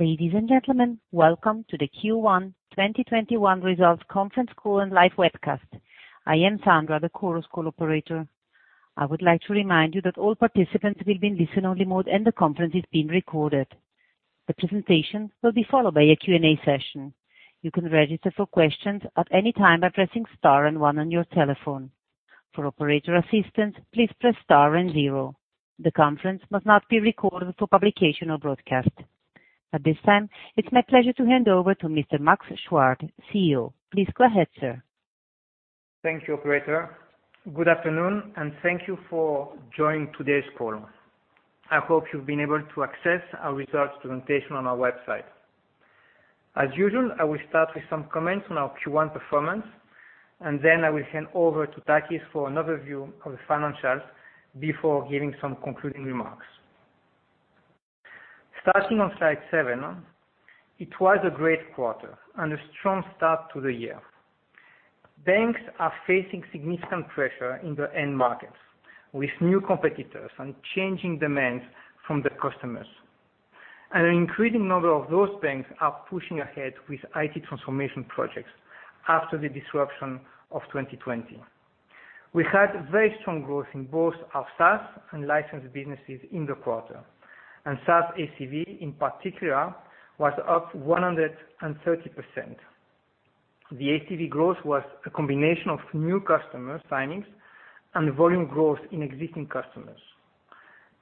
Ladies and gentlemen, welcome to the Q1 2021 Results Conference Call and live webcast. I am Sandra, the Chorus Call operator. I would like to remind you that all participants will be in listen-only mode and the conference is being recorded. The presentation will be followed by a Q&A session. You can register for questions at any time by pressing star and one on your telephone. For operator assistance, please press star and zero. The conference must not be recorded for publication or broadcast. At this time, it's my pleasure to hand over to Mr. Max Chuard, CEO. Please go ahead, sir. Thank you, operator. Good afternoon, and thank you for joining today's call. I hope you've been able to access our results presentation on our website. As usual, I will start with some comments on our Q1 performance, and then I will hand over to Takis for an overview of the financials before giving some concluding remarks. Starting on slide seven. It was a great quarter and a strong start to the year. Banks are facing significant pressure in their end markets with new competitors and changing demands from the customers. An increasing number of those banks are pushing ahead with IT transformation projects after the disruption of 2020. We had very strong growth in both our SaaS and licensed businesses in the quarter, and SaaS ACV, in particular, was up 130%. The ACV growth was a combination of new customer signings and volume growth in existing customers.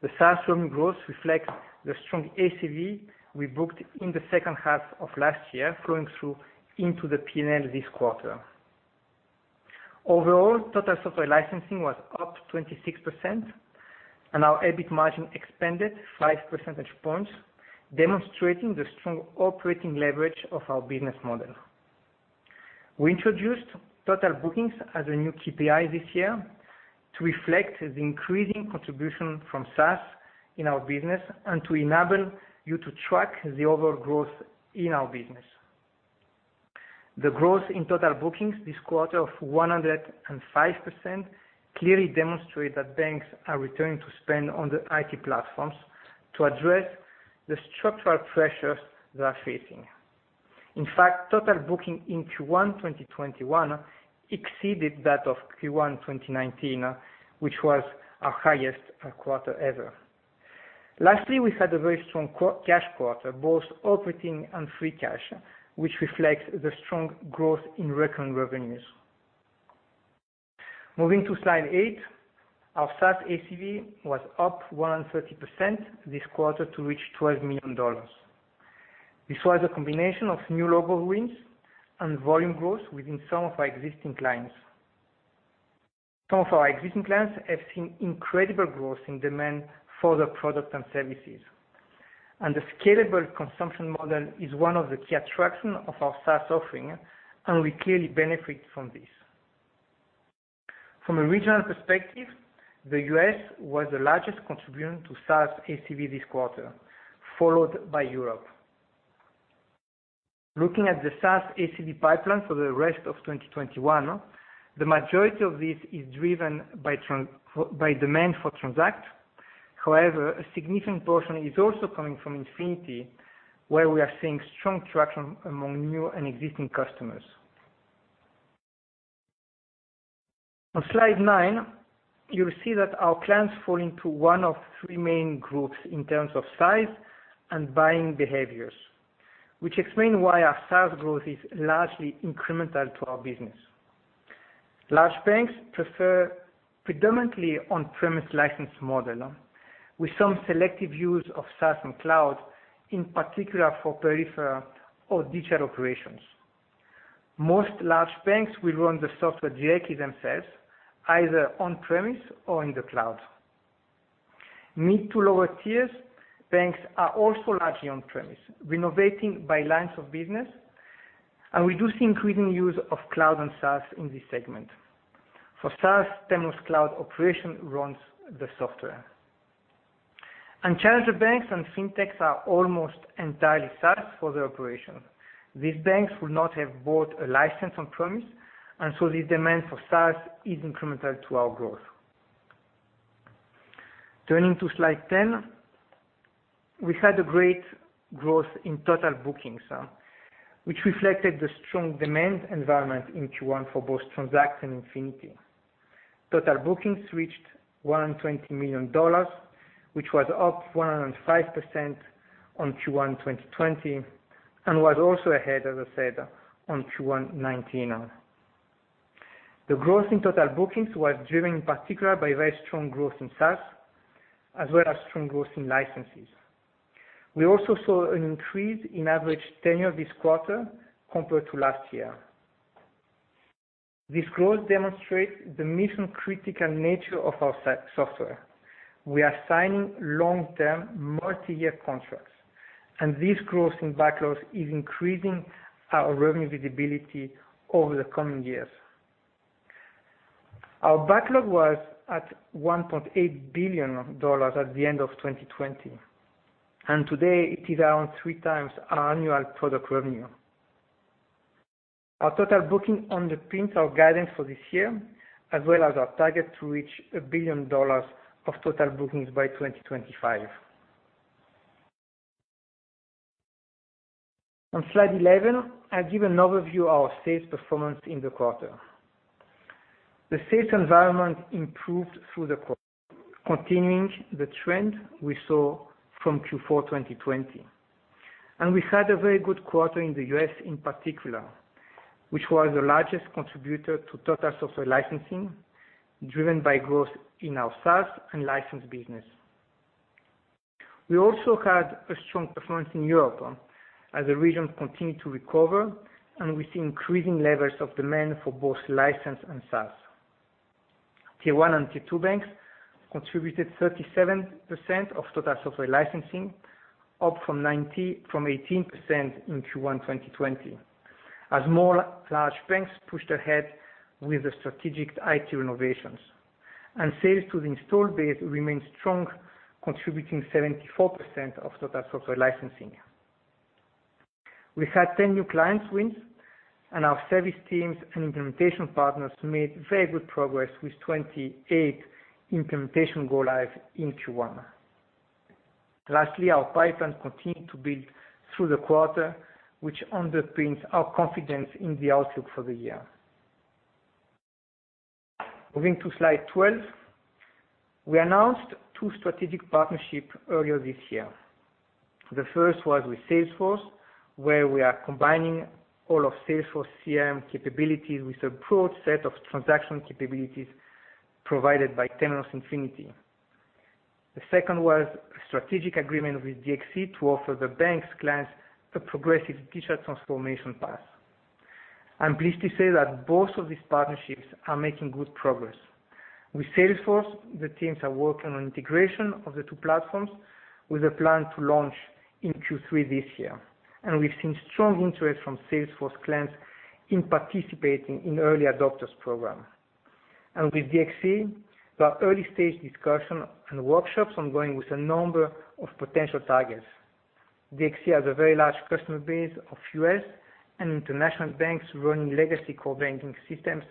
The SaaS revenue growth reflects the strong ACV we booked in the second half of last year flowing through into the P&L this quarter. Overall, total software licensing was up 26% and our EBIT margin expanded five percentage points, demonstrating the strong operating leverage of our business model. We introduced total bookings as a new KPI this year to reflect the increasing contribution from SaaS in our business and to enable you to track the overall growth in our business. The growth in total bookings this quarter of 105% clearly demonstrate that banks are returning to spend on the IT platforms to address the structural pressures they are facing. In fact, total booking in Q1 2021 exceeded that of Q1 2019, which was our highest quarter ever. Lastly, we had a very strong cash quarter, both operating and free cash, which reflects the strong growth in recurring revenues. Moving to slide eight. Our SaaS ACV was up 130% this quarter to reach $12 million. This was a combination of new logo wins and volume growth within some of our existing clients. Some of our existing clients have seen incredible growth in demand for the products and services, and the scalable consumption model is one of the key attractions of our SaaS offering, and we clearly benefit from this. From a regional perspective, the U.S. was the largest contributor to SaaS ACV this quarter, followed by Europe. Looking at the SaaS ACV pipeline for the rest of 2021, the majority of this is driven by demand for Transact. However, a significant portion is also coming from Infinity, where we are seeing strong traction among new and existing customers. On slide nine, you'll see that our clients fall into one of three main groups in terms of size and buying behaviors, which explain why our SaaS growth is largely incremental to our business. Large banks prefer predominantly on-premise license model with some selective use of SaaS and cloud, in particular for peripheral or digital operations. Most large banks will run the software directly themselves, either on-premise or in the cloud. Mid to lower tiers banks are also largely on-premise, renovating by lines of business, and we do see increasing use of cloud and SaaS in this segment. For SaaS, Temenos Cloud operation runs the software. Challenger banks and fintechs are almost entirely SaaS for their operation. These banks would not have bought a license on-premise, so this demand for SaaS is incremental to our growth. Turning to slide 10. We had a great growth in total bookings, which reflected the strong demand environment in Q1 for both Transact and Infinity. Total bookings reached $120 million, which was up 105% on Q1 2020, and was also ahead, as I said, on Q1 2019. The growth in total bookings was driven in particular by very strong growth in SaaS, as well as strong growth in licenses. We also saw an increase in average tenure this quarter compared to last year. This growth demonstrates the mission-critical nature of our software. We are signing long-term, multi-year contracts, and this growth in backlogs is increasing our revenue visibility over the coming years. Our backlog was at $1.8 billion at the end of 2020, today it is around three times our annual product revenue. Our total booking underpins our guidance for this year, as well as our target to reach $1 billion of total bookings by 2025. On slide 11, I give an overview of our sales performance in the quarter. The sales environment improved through the quarter, continuing the trend we saw from Q4 2020. We had a very good quarter in the U.S. in particular, which was the largest contributor to total software licensing, driven by growth in our SaaS and licensed business. We also had a strong performance in Europe as the region continued to recover, we see increasing levels of demand for both license and SaaS. Tier 1 and Tier 2 banks contributed 37% of total software licensing, up from 18% in Q1 2020, as more large banks pushed ahead with the strategic IT renovations. Sales to the install base remained strong, contributing 74% of total software licensing. We had 10 new client wins, and our service teams and implementation partners made very good progress with 28 implementation go live in Q1. Lastly, our pipeline continued to build through the quarter, which underpins our confidence in the outlook for the year. Moving to slide 12, we announced two strategic partnership earlier this year. The first was with Salesforce, where we are combining all of Salesforce CRM capabilities with a broad set of transaction capabilities provided by Temenos Infinity. The second was a strategic agreement with DXC to offer the bank's clients a progressive digital transformation path. I'm pleased to say that both of these partnerships are making good progress. With Salesforce, the teams are working on integration of the two platforms with a plan to launch in Q3 this year, we've seen strong interest from Salesforce clients in participating in early adopters program. With DXC, there are early-stage discussion and workshops ongoing with a number of potential targets. DXC has a very large customer base of U.S. and international banks running legacy core banking systems,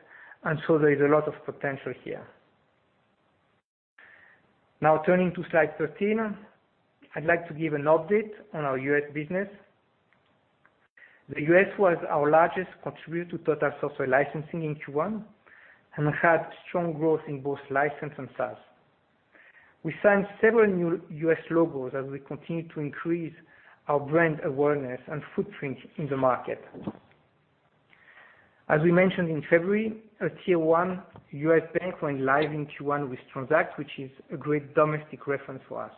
there is a lot of potential here. Now turning to slide 13, I'd like to give an update on our U.S. business. The U.S. was our largest contributor to total software licensing in Q1 and had strong growth in both license and SaaS. We signed several new U.S. logos as we continue to increase our brand awareness and footprint in the market. As we mentioned in February, a Tier 1 U.S. bank went live in Q1 with Temenos Transact, which is a great domestic reference for us.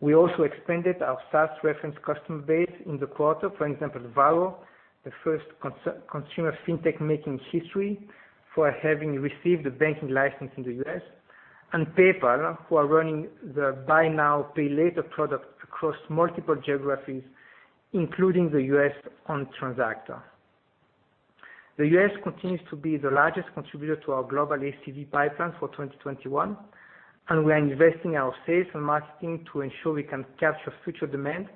We also expanded our SaaS reference customer base in the quarter, for example, Varo, the first consumer fintech making history for having received a banking license in the U.S., and PayPal, who are running the buy now, pay later product across multiple geographies, including the U.S. on Transact. The U.S. continues to be the largest contributor to our global ACV pipeline for 2021. We are investing our sales and marketing to ensure we can capture future demand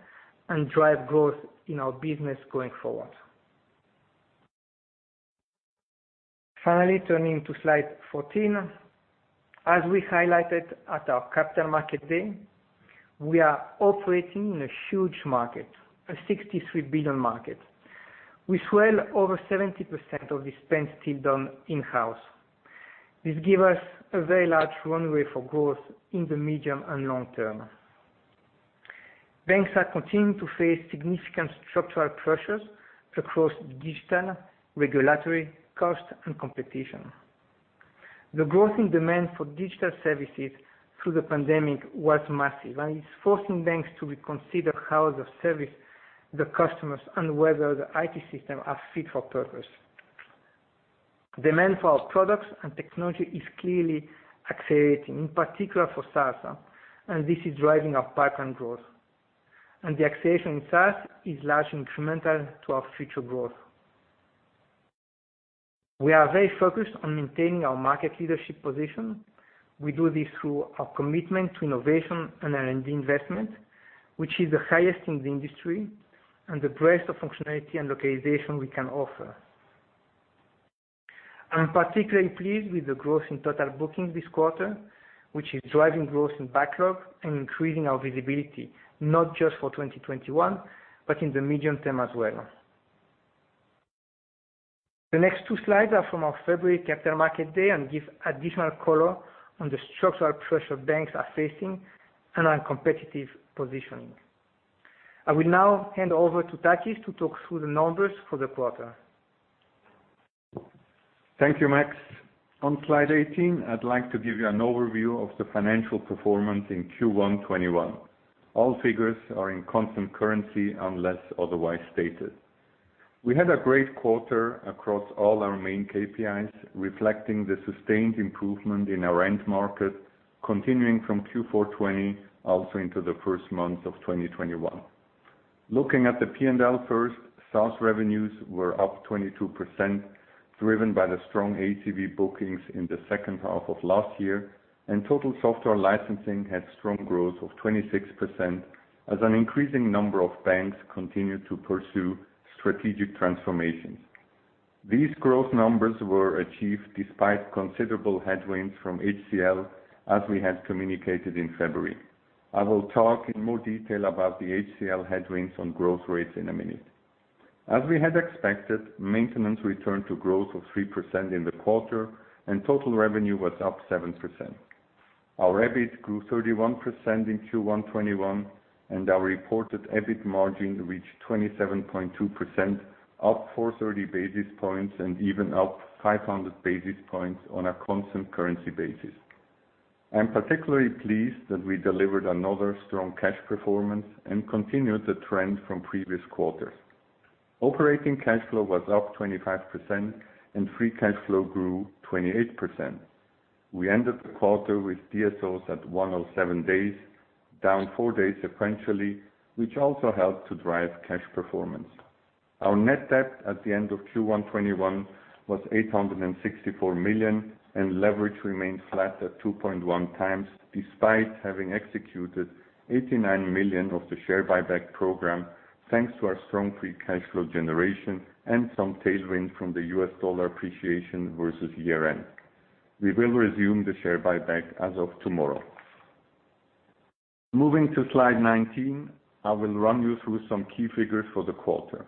and drive growth in our business going forward. Finally, turning to slide 14. As we highlighted at our Capital Markets Day, we are operating in a huge market, a $63 billion market. With well over 70% of the spend still done in-house, this give us a very large runway for growth in the medium and long term. Banks are continuing to face significant structural pressures across digital, regulatory cost, and competition. The growth in demand for digital services through the pandemic was massive and is forcing banks to reconsider how they service the customers and whether the IT system are fit for purpose. Demand for our products and technology is clearly accelerating, in particular for SaaS, this is driving our pipeline growth. The acceleration in SaaS is largely incremental to our future growth. We are very focused on maintaining our market leadership position. We do this through our commitment to innovation and R&D investment, which is the highest in the industry, and the breadth of functionality and localization we can offer. I am particularly pleased with the growth in total bookings this quarter, which is driving growth in backlog and increasing our visibility, not just for 2021, but in the medium term as well. The next two slides are from our February Capital Markets Day and give additional color on the structural pressure banks are facing and our competitive positioning. I will now hand over to Takis to talk through the numbers for the quarter. Thank you, Max. On slide 18, I'd like to give you an overview of the financial performance in Q1 2021. All figures are in constant currency unless otherwise stated. We had a great quarter across all our main KPIs, reflecting the sustained improvement in our end market, continuing from Q4 2020, also into the first month of 2021. Looking at the P&L first, SaaS revenues were up 22%, driven by the strong ACV bookings in the second half of last year, and total software licensing had strong growth of 26% as an increasing number of banks continued to pursue strategic transformations. These growth numbers were achieved despite considerable headwinds from HCL, as we had communicated in February. I will talk in more detail about the HCL headwinds on growth rates in a minute. As we had expected, maintenance returned to growth of 3% in the quarter, and total revenue was up 7%. Our EBIT grew 31% in Q1 2021, and our reported EBIT margin reached 27.2%, up 430 basis points and even up 500 basis points on a constant currency basis. I am particularly pleased that we delivered another strong cash performance and continued the trend from previous quarters. Operating cash flow was up 25% and free cash flow grew 28%. We ended the quarter with DSOs at 107 days, down four days sequentially, which also helped to drive cash performance. Our net debt at the end of Q1 2021 was 864 million, and leverage remained flat at 2.1x, despite having executed 89 million of the share buyback program, thanks to our strong free cash flow generation and some tailwinds from the U.S. dollar appreciation versus year-end. We will resume the share buyback as of tomorrow. Moving to slide 19, I will run you through some key figures for the quarter.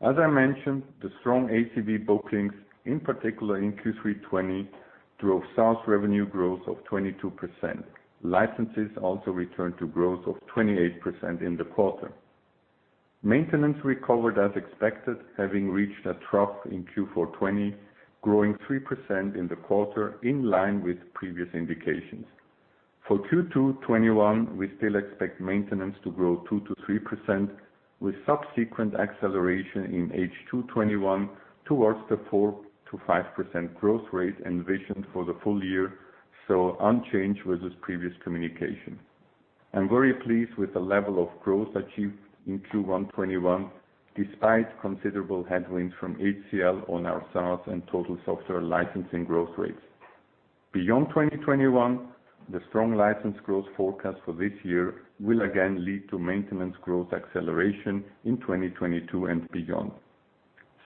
As I mentioned, the strong ACV bookings, in particular in Q3 2020, drove SaaS revenue growth of 22%. Licenses also returned to growth of 28% in the quarter. Maintenance recovered as expected, having reached a trough in Q4 2020, growing 3% in the quarter, in line with previous indications. For Q2 2021, we still expect maintenance to grow 2%-3%, with subsequent acceleration in H2 2021 towards the 4%-5% growth rate envisioned for the full year, so unchanged versus previous communication. I'm very pleased with the level of growth achieved in Q1 2021, despite considerable headwinds from HCL on our SaaS and total software licensing growth rates. Beyond 2021, the strong license growth forecast for this year will again lead to maintenance growth acceleration in 2022 and beyond.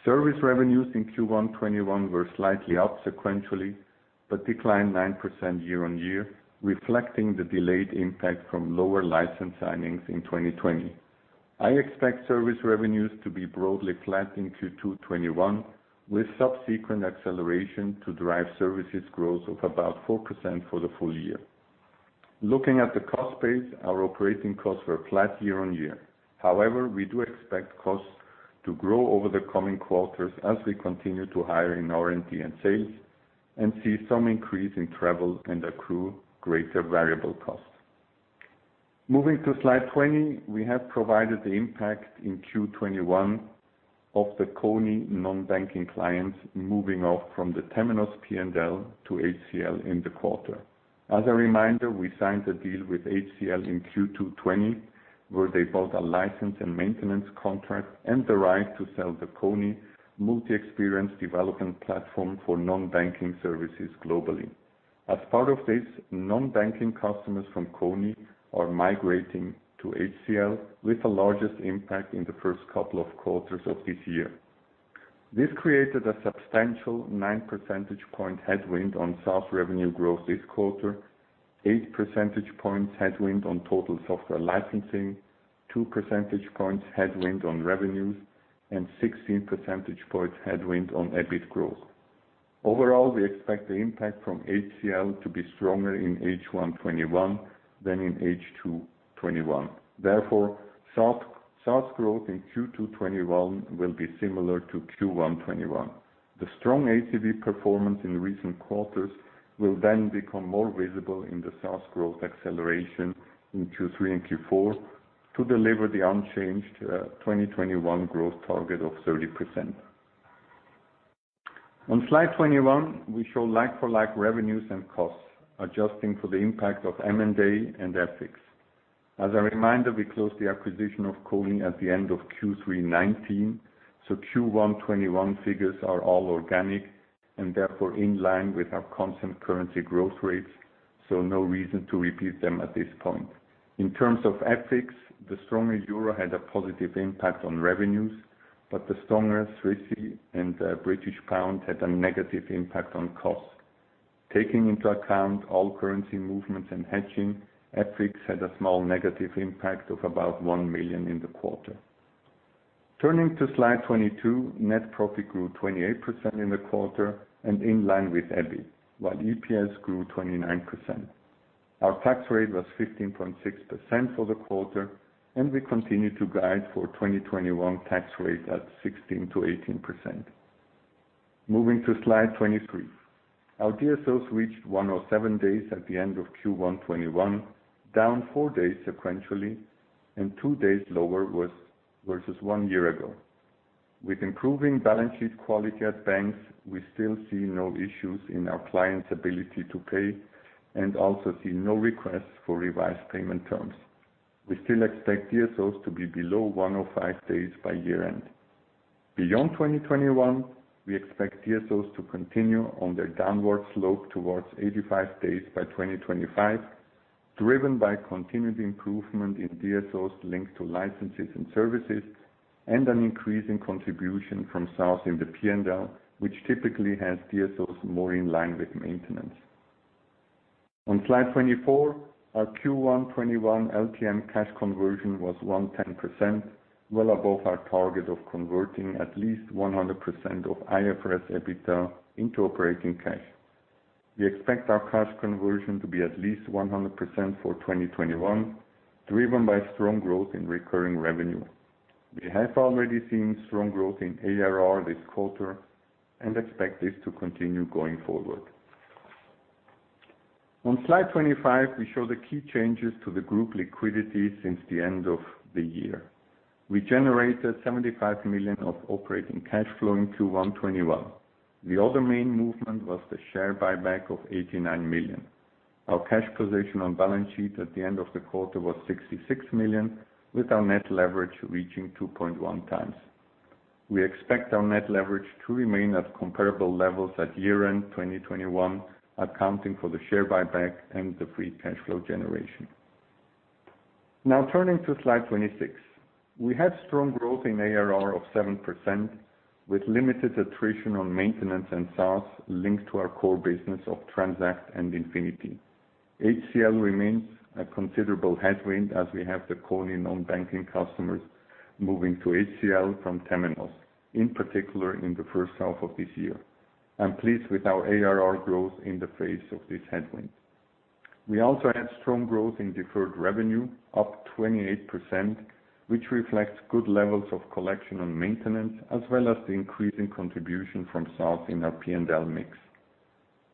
Service revenues in Q1 2021 were slightly up sequentially, declined 9% year-on-year, reflecting the delayed impact from lower license signings in 2020. I expect service revenues to be broadly flat in Q2 2021, with subsequent acceleration to drive services growth of about 4% for the full year. Looking at the cost base, our operating costs were flat year-on-year. We do expect costs to grow over the coming quarters as we continue to hire in R&D and sales and see some increase in travel and accrue greater variable costs. Moving to slide 20, we have provided the impact in Q2 2021 of the Kony non-banking clients moving off from the Temenos P&L to HCL in the quarter. As a reminder, we signed a deal with HCL in Q2 2020, where they bought a license and maintenance contract and the right to sell the Kony multi-experience development platform for non-banking services globally. As part of this, non-banking customers from Kony are migrating to HCL, with the largest impact in the first couple of quarters of this year. This created a substantial nine percentage point headwind on SaaS revenue growth this quarter, eight percentage points headwind on total software licensing, two percentage points headwind on revenues, and 16 percentage points headwind on EBIT growth. Overall, we expect the impact from HCL to be stronger in H1 2021 than in H2 2021. Therefore, SaaS growth in Q2 2021 will be similar to Q1 2021. The strong ACV performance in recent quarters will then become more visible in the SaaS growth acceleration in Q3 and Q4 to deliver the unchanged 2021 growth target of 30%. On slide 21, we show like-for-like revenues and costs, adjusting for the impact of M&A and FX. As a reminder, we closed the acquisition of Kony at the end of Q3 2019, so Q1 2021 figures are all organic and therefore in line with our constant currency growth rates. No reason to repeat them at this point. In terms of FX, the stronger euro had a positive impact on revenues, but the stronger Swissy and GBP had a negative impact on costs. Taking into account all currency movements and hedging, FX had a small negative impact of about $1 million in the quarter. Turning to slide 22, net profit grew 28% in the quarter and in line with EBIT, while EPS grew 29%. Our tax rate was 15.6% for the quarter, and we continue to guide for 2021 tax rate at 16%-18%. Moving to slide 23. Our DSOs reached 107 days at the end of Q1 2021, down four days sequentially and two days lower versus one year ago. With improving balance sheet quality at banks, we still see no issues in our clients' ability to pay and also see no requests for revised payment terms. We still expect DSOs to be below 105 days by year-end. Beyond 2021, we expect DSOs to continue on their downward slope towards 85 days by 2025. Driven by continued improvement in DSOs linked to licenses and services, and an increasing contribution from SaaS in the P&L, which typically has DSOs more in line with maintenance. On slide 24, our Q1 2021 LTM cash conversion was 110%, well above our target of converting at least 100% of IFRS EBITDA into operating cash. We expect our cash conversion to be at least 100% for 2021, driven by strong growth in recurring revenue. We have already seen strong growth in ARR this quarter, and expect this to continue going forward. On slide 25, we show the key changes to the group liquidity since the end of the year. We generated 75 million of operating cash flow in Q1 2021. The other main movement was the share buyback of 89 million. Our cash position on balance sheet at the end of the quarter was 66 million, with our net leverage reaching 2.1x. We expect our net leverage to remain at comparable levels at year-end 2021, accounting for the share buyback and the free cash flow generation. Turning to slide 26. We had strong growth in ARR of 7%, with limited attrition on maintenance and SaaS linked to our core business of Transact and Infinity. HCL remains a considerable headwind as we have the Kony non-banking customers moving to HCL from Temenos, in particular in the first half of this year. I'm pleased with our ARR growth in the face of this headwind. We also had strong growth in deferred revenue, up 28%, which reflects good levels of collection on maintenance, as well as the increase in contribution from SaaS in our P&L mix.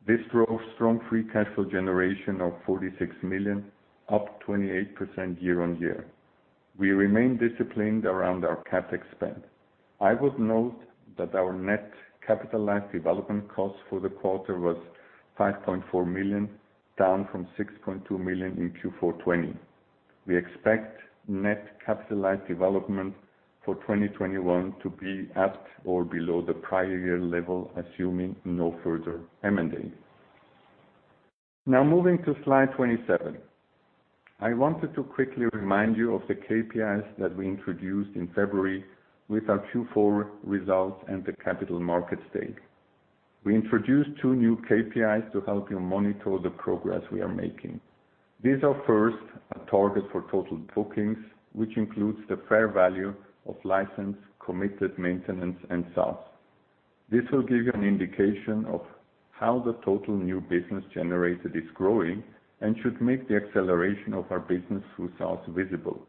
This drove strong free cash flow generation of $46 million, up 28% year-on-year. We remain disciplined around our CapEx spend. I would note that our net capitalized development cost for the quarter was $5.4 million, down from $6.2 million in Q4 2020. We expect net capitalized development for 2021 to be at or below the prior year level, assuming no further M&A. Moving to slide 27. I wanted to quickly remind you of the KPIs that we introduced in February with our Q4 results and the Capital Markets Day. We introduced two new KPIs to help you monitor the progress we are making. These are first, a target for total bookings, which includes the fair value of license, committed maintenance, and SaaS. This will give you an indication of how the total new business generated is growing and should make the acceleration of our business through SaaS visible.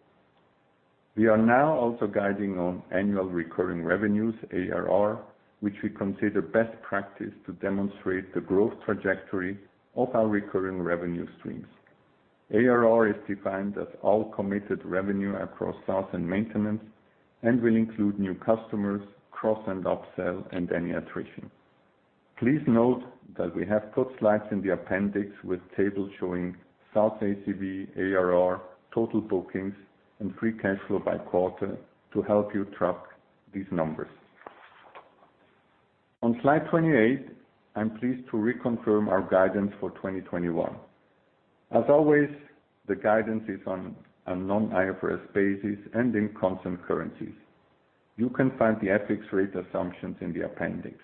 We are now also guiding on annual recurring revenues, ARR, which we consider best practice to demonstrate the growth trajectory of our recurring revenue streams. ARR is defined as all committed revenue across SaaS and maintenance and will include new customers, cross and upsell, and any attrition. Please note that we have put slides in the appendix with tables showing SaaS ACV, ARR, total bookings, and free cash flow by quarter to help you track these numbers. On slide 28, I'm pleased to reconfirm our guidance for 2021. As always, the guidance is on a non-IFRS basis and in constant currencies. You can find the FX rate assumptions in the appendix.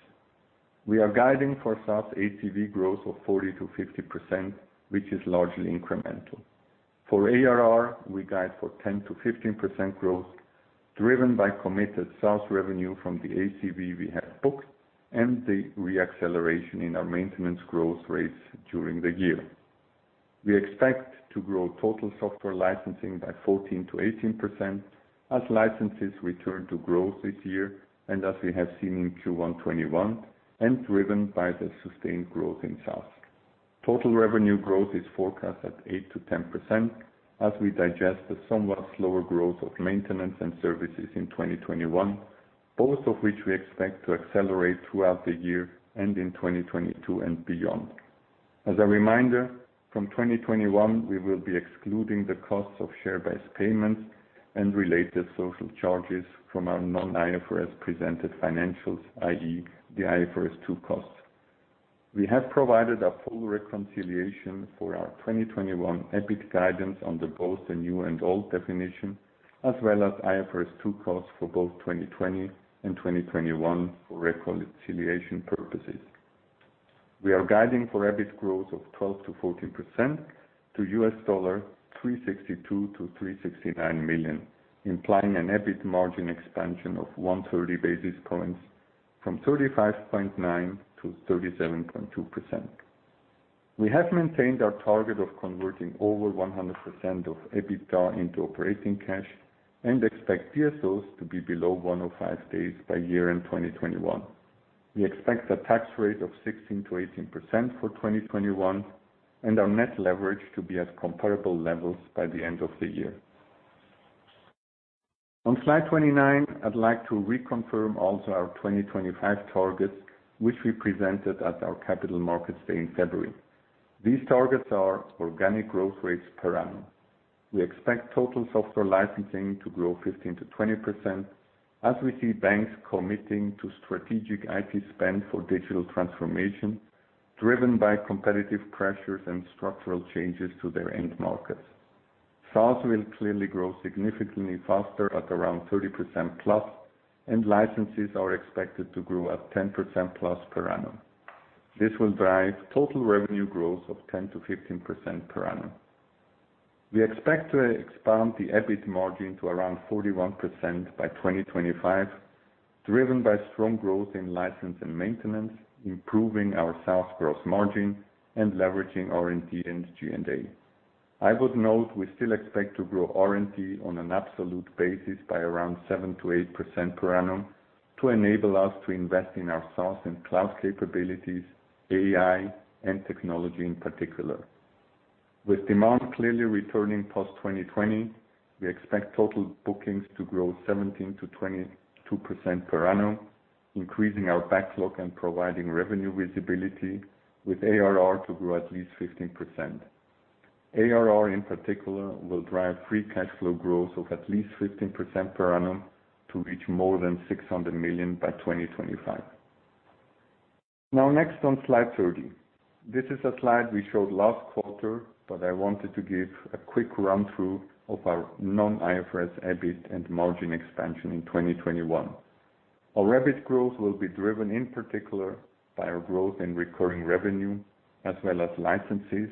We are guiding for SaaS ACV growth of 40%-50%, which is largely incremental. For ARR, we guide for 10%-15% growth driven by committed SaaS revenue from the ACV we have booked and the re-acceleration in our maintenance growth rates during the year. We expect to grow total software licensing by 14%-18% as licenses return to growth this year and as we have seen in Q1 2021 and driven by the sustained growth in SaaS. Total revenue growth is forecast at 8%-10% as we digest the somewhat slower growth of maintenance and services in 2021, both of which we expect to accelerate throughout the year and in 2022 and beyond. As a reminder, from 2021, we will be excluding the costs of share-based payments and related social charges from our non-IFRS presented financials, i.e., the IFRS 2 costs. We have provided a full reconciliation for our 2021 EBIT guidance under both the new and old definition, as well as IFRS 2 costs for both 2020 and 2021 for reconciliation purposes. We are guiding for EBIT growth of 12%-14% to $362 million-$369 million, implying an EBIT margin expansion of 130 basis points from 35.9%-37.2%. We have maintained our target of converting over 100% of EBITDA into operating cash and expect DSOs to be below 105 days by year-end 2021. We expect a tax rate of 16%-18% for 2021 and our net leverage to be at comparable levels by the end of the year. On slide 29, I'd like to reconfirm also our 2025 targets, which we presented at our Capital Markets Day in February. These targets are organic growth rates per annum. We expect total software licensing to grow 15%-20% as we see banks committing to strategic IT spend for digital transformation driven by competitive pressures and structural changes to their end markets. SaaS will clearly grow significantly faster at around 30%+, and licenses are expected to grow at 10%+ per annum. This will drive total revenue growth of 10%-15% per annum. We expect to expand the EBIT margin to around 41% by 2025, driven by strong growth in license and maintenance, improving our SaaS gross margin and leveraging R&D and G&A. I would note we still expect to grow R&D on an absolute basis by around 7%-8% per annum to enable us to invest in our SaaS and AI and cloud capabilities, and technology in particular. With demand clearly returning post-2020, we expect total bookings to grow 17%-22% per annum, increasing our backlog and providing revenue visibility with ARR to grow at least 15%. ARR in particular, will drive free cash flow growth of at least 15% per annum to reach more than $600 million by 2025. Next on slide 30. This is a slide we showed last quarter, but I wanted to give a quick run-through of our non-IFRS, EBIT and margin expansion in 2021. Our EBIT growth will be driven in particular by our growth in recurring revenue as well as licenses,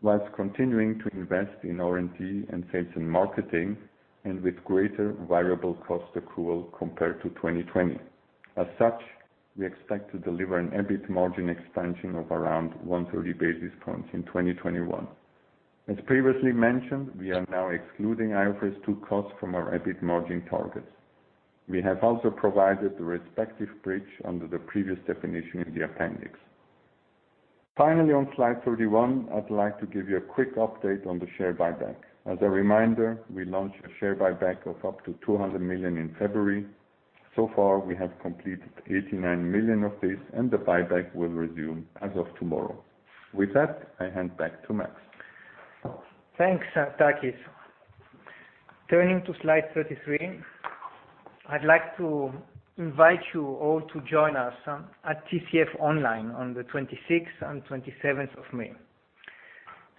whilst continuing to invest in R&D and sales and marketing, and with greater variable cost accrual compared to 2020. As such, we expect to deliver an EBIT margin expansion of around 130 basis points in 2021. As previously mentioned, we are now excluding IFRS 2 costs from our EBIT margin targets. We have also provided the respective bridge under the previous definition in the appendix. Finally, on slide 31, I'd like to give you a quick update on the share buyback. As a reminder, we launched a share buyback of up to $200 million in February. So far, we have completed $89 million of this, and the buyback will resume as of tomorrow. With that, I hand back to Max. Thanks, Takis. Turning to slide 33, I'd like to invite you all to join us at TCF online on the May 26th and 27th.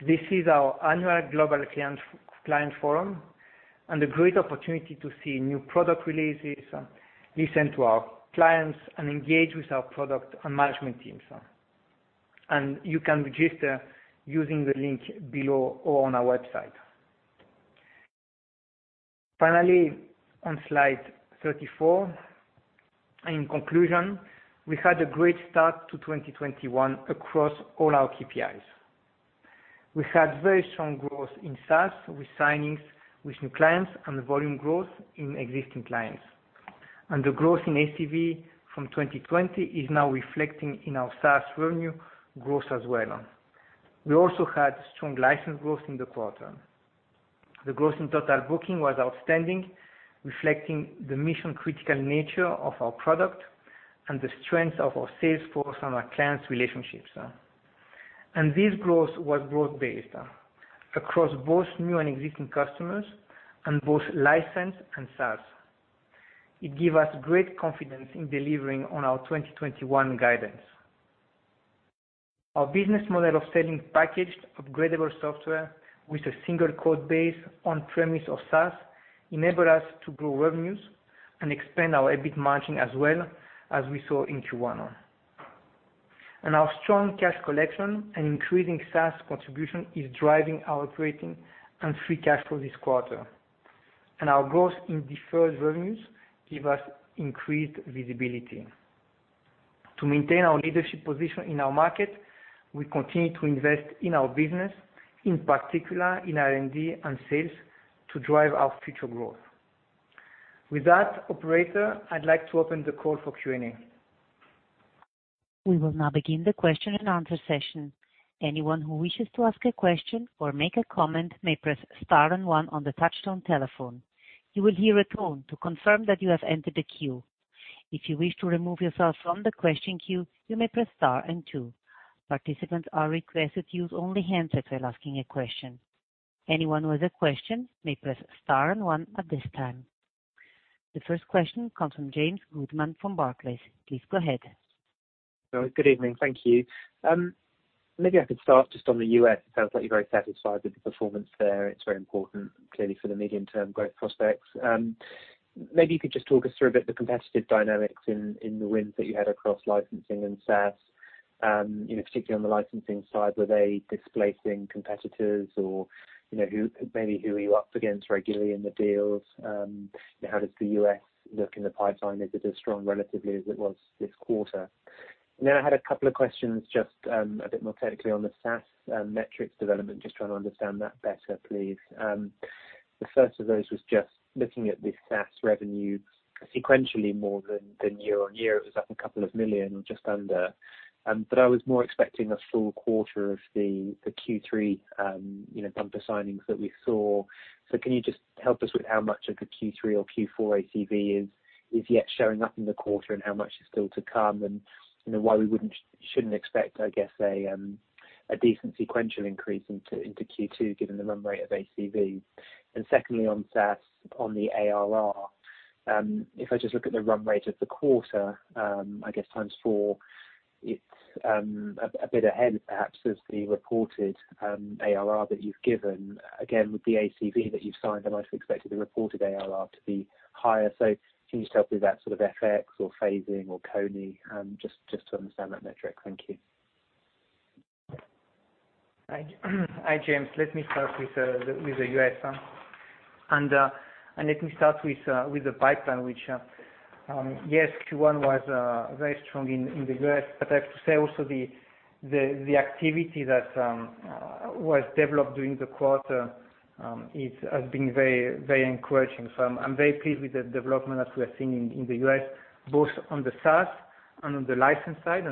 This is our annual global client forum and a great opportunity to see new product releases, listen to our clients, and engage with our product and management teams. You can register using the link below or on our website. Finally, on slide 34, in conclusion, we had a great start to 2021 across all our KPIs. We had very strong growth in SaaS with signings with new clients and volume growth in existing clients. The growth in ACV from 2020 is now reflecting in our SaaS revenue growth as well. We also had strong license growth in the quarter. The growth in total booking was outstanding, reflecting the mission-critical nature of our product and the strength of our sales force and our clients' relationships. This growth was broad-based across both new and existing customers and both license and SaaS. It give us great confidence in delivering on our 2021 guidance. Our business model of selling packaged, upgradable software with a single code base on-premise or SaaS enable us to grow revenues and expand our EBIT margin as well, as we saw in Q1. Our strong cash collection and increasing SaaS contribution is driving our operating and free cash flow this quarter. Our growth in deferred revenues give us increased visibility. To maintain our leadership position in our market, we continue to invest in our business, in particular in R&D and sales to drive our future growth. With that, operator, I'd like to open the call for Q&A. We will now begin the question and answer session. Anyone who wishes to ask a question or make a comment may press star and one on the touchtone telephone. You will hear a tone to confirm that you have entered the queue. If you wish to remove yourself from the question queue, you may press star and two. Participants are requested to use only handsets while asking a question. Anyone with a question may press star and one at this time. The first question comes from James Goodman from Barclays. Please go ahead. Good evening. Thank you. Maybe I could start just on the U.S. It sounds like you're very satisfied with the performance there. It's very important, clearly, for the medium-term growth prospects. Maybe you could just talk us through a bit the competitive dynamics in the wins that you had across licensing and SaaS, particularly on the licensing side. Were they displacing competitors? Maybe who are you up against regularly in the deals? How does the U.S. look in the pipeline? Is it as strong relatively as it was this quarter? Then I had a couple of questions just a bit more technically on the SaaS metrics development. Just trying to understand that better, please. The first of those was just looking at the SaaS revenue sequentially more than year-on-year. It was up a couple of million dollars or just under. I was more expecting a full quarter of the Q3 bumper signings that we saw. Can you just help us with how much of the Q3 or Q4 ACV is yet showing up in the quarter and how much is still to come and why we shouldn't expect, I guess a decent sequential increase into Q2, given the run rate of ACV. Secondly, on SaaS on the ARR. I just look at the run rate of the quarter, I guess times four, it's a bit ahead perhaps of the reported ARR that you've given. With the ACV that you've signed, I should expect the reported ARR to be higher. Can you just help with that sort of FX or phasing or Kony, just to understand that metric? Thank you. Hi, James. Let me start with the U.S. Let me start with the pipeline, which, yes, Q1 was very strong in the U.S., I have to say also the activity that was developed during the quarter has been very encouraging. I'm very pleased with the development that we're seeing in the U.S., both on the SaaS and on the license side.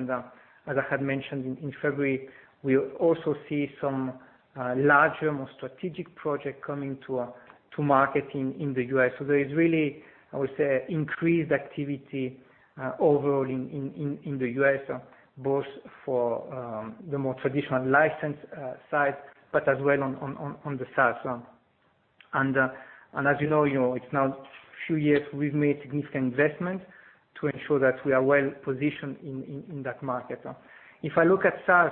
As I had mentioned in February, we also see some larger, more strategic project coming to market in the U.S. There is really, I would say, increased activity overall in the U.S., both for the more traditional license side, as well on the SaaS. As you know, it's now a few years we've made significant investment to ensure that we are well-positioned in that market.. If I look at SaaS,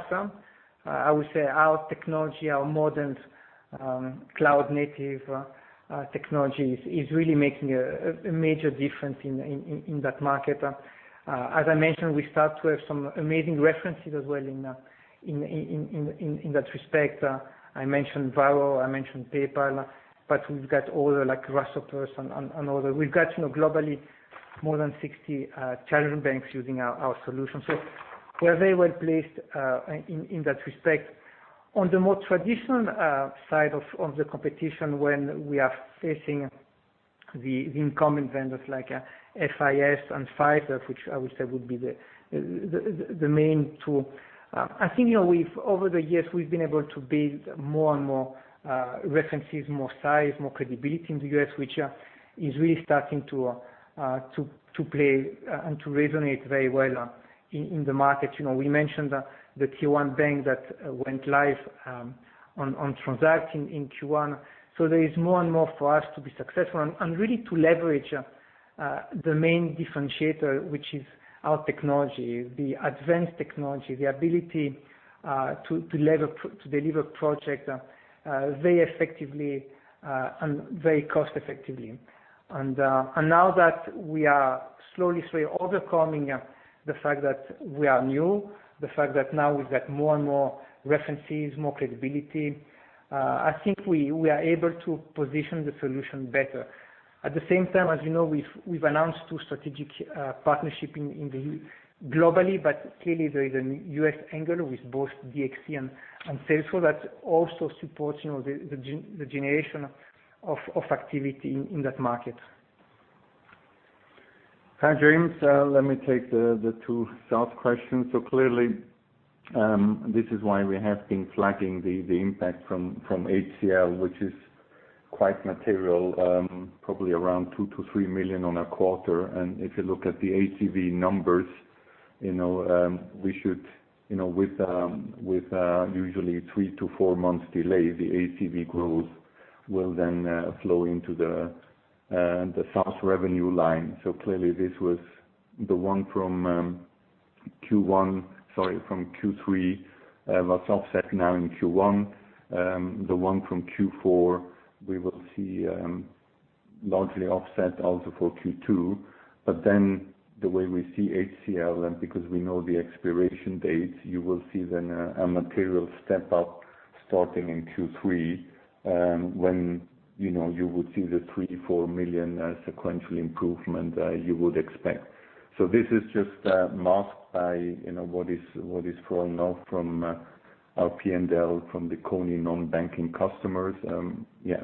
I would say our technology, our modern cloud-native technology is really making a major difference in that market. As I mentioned, we start to have some amazing references as well in that respect. I mentioned Varo, I mentioned PayPal, but we've got others like SaaS operators and others. We've got globally more than 60 challenger banks using our solution. We're very well placed in that respect. On the more traditional side of the competition when we are facing the incumbent vendors like FIS and Fiserv, which I would say would be the main two. I think over the years we've been able to build more and more references, more size, more credibility in the U.S., which is really starting to play and to resonate very well in the market. We mentioned the Tier 1 bank that went live on Transact in Q1. There is more and more for us to be successful and really to leverage the main differentiator, which is our technology, the advanced technology, the ability to deliver projects very effectively and very cost effectively. Now that we are slowly overcoming the fact that we are new, the fact that now we've got more and more references, more credibility, I think we are able to position the solution better. At the same time, as you know, we've announced two strategic partnership globally, but clearly there is a U.S. angle with both DXC and Salesforce that also supports the generation of activity in that market. Hi, James. Let me take the two SaaS questions. Clearly, this is why we have been flagging the impact from HCL, which is quite material, probably around $2 million-$3 million on a quarter. If you look at the ACV numbers, with usually three to four months delay, the ACV growth will then flow into the SaaS revenue line. Clearly this was the one from Q3 that's offset now in Q1. The one from Q4 we will see largely offset also for Q2. The way we see HCL, and because we know the expiration dates, you will see then a material step up starting in Q3, when you would see the $3 million-$4 million sequential improvement you would expect. This is just masked by what is flowing now from our P&L from the Kony non-banking customers. Yeah.